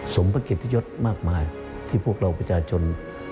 สมประกิจยศมากมายที่พวกเราประจาชน